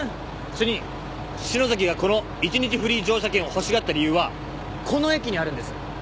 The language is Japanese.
主任篠崎がこの１日フリー乗車券を欲しがった理由はこの駅にあるんです。